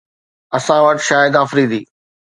اسان وٽ شاهد فريدي